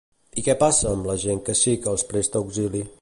I què passa amb la gent que sí que els presta auxili?